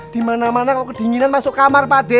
di mana mana kalau kedinginan masuk kamar pade